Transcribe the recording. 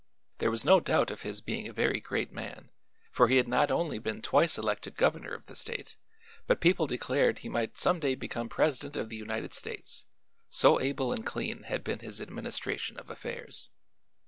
There was no doubt of his being a very great man, for he had not only been twice elected governor of the state but people declared he might some day become president of the United States, so able and clean had been his administration of affairs.